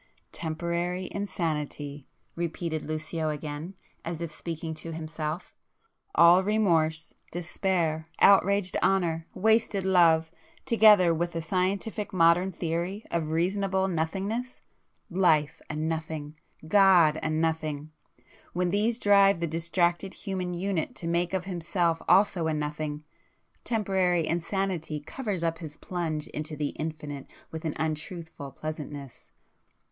"'Temporary insanity'"—repeated Lucio again, as if speaking to himself—"all remorse, despair, outraged honour, wasted love, together with the scientific modern theory of Reasonable Nothingness—Life a Nothing, God a Nothing,—when these drive the distracted human unit to make of himself also a nothing, 'temporary insanity' covers up his plunge into the infinite with an untruthful pleasantness.